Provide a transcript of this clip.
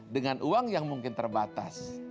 dengan uang yang mungkin terbatas